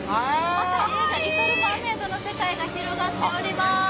まさに「リトル・マーメイド」の世界が広がっております。